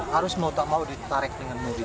harus mau tak mau ditarik dengan mobil